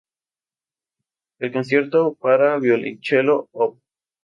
El Concierto para violonchelo Op.